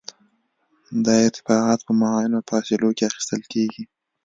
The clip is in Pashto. دا ارتفاعات په معینو فاصلو کې اخیستل کیږي